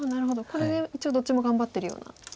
これで一応どっちも頑張ってるような。